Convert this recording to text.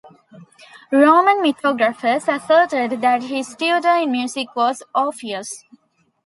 Roman mythographers asserted that his tutor in music was Orpheus.